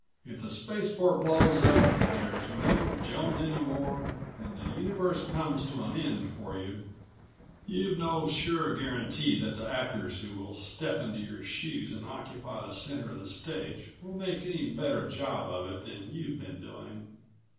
If the spaceport blows up, and there's no Joan any more, and the universe comes to an end for you, you've no sure guarantee that the actors who will step into your shoes and occupy the center of the stage will make any better job of it than you've been doing.